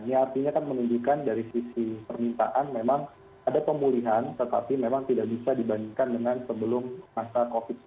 ini artinya kan menunjukkan dari sisi permintaan memang ada pemulihan tetapi memang tidak bisa dibandingkan dengan sebelum masa covid sembilan belas